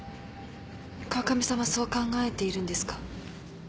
川上さんはそう考えているんですか？